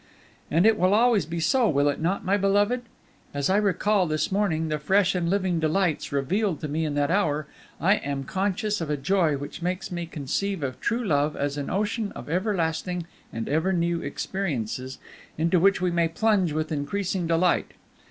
"And it will always be so, will it not, my beloved? As I recall, this morning, the fresh and living delights revealed to me in that hour, I am conscious of a joy which makes me conceive of true love as an ocean of everlasting and ever new experiences, into which we may plunge with increasing delight.